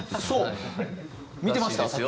そう見てました？